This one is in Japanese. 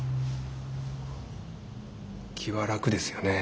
気は楽ですよね